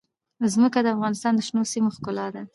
ځمکه د افغانستان د شنو سیمو ښکلا ده.